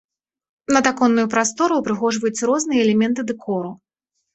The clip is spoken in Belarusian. Надаконную прастору ўпрыгожваюць розныя элементы дэкору.